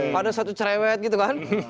kalau ada satu cerewet gitu kan